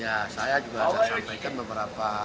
ya saya juga sudah sampaikan beberapa